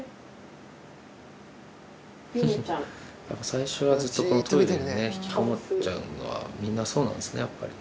最初はずっとトイレに引きこもっちゃうのはみんなそうなんですねやっぱり。